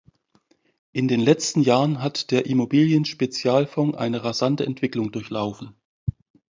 In den letzten Jahren hat der Immobilien-Spezialfonds eine rasante Entwicklung durchlaufen.